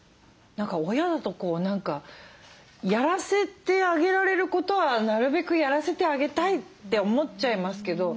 親だと何かやらせてあげられることはなるべくやらせてあげたいって思っちゃいますけど。